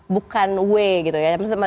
bukan way gitu ya